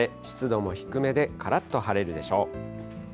湿度も低めで、からっと晴れるでしょう。